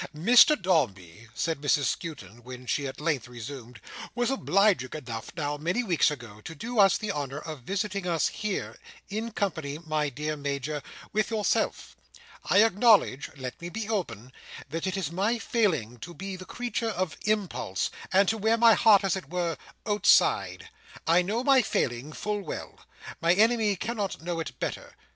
"Mr Dombey," said Mrs Skewton, when she at length resumed, "was obliging enough, now many weeks ago, to do us the honour of visiting us here; in company, my dear Major, with yourself. I acknowledge—let me be open—that it is my failing to be the creature of impulse, and to wear my heart as it were, outside. I know my failing full well. My enemy cannot know it better.